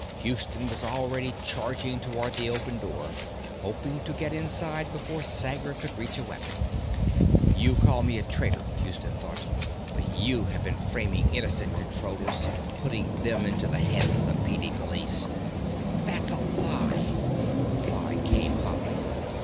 Houston was already charging toward the open door, hoping to get inside before Sager could reach a weapon. You call me a traitor, Houston thought, but you have been framing innocent Controllers, putting them into the hands of the PD Police. That's a lie! the reply came hotly.